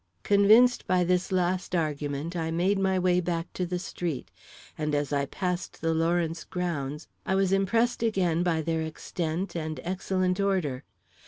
Convinced by this last argument, I made my way back to the street; and as I passed the Lawrence grounds I was impressed again by their extent and excellent order.